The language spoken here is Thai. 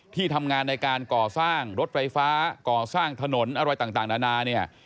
ที่ทำงานในการก่อสร้างรถไฟฟ้าก่อสร้างถนนอะไรต่างนานาเนี่ย